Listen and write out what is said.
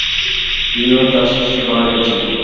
কীভাবে তা সৃষ্টি করা হয়েছে।